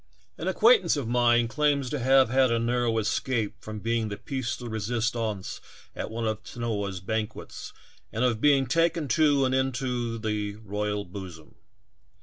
An acquaintance of mine claims to have had a narrow escape from being the piece de resistance at one of Tanoa's banquets, and of being taken to and into the royal bosom.